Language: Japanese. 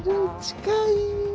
近い。